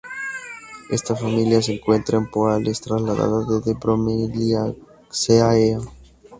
Esta familia se encuentra en Poales, trasladada desde Bromeliaceae.